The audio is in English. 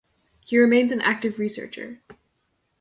He remains an active researcher.